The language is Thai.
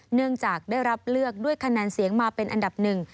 เนื่องจากได้รับเลือกด้วยคะแนนเสียงมาเป็นอันดับหนึ่ง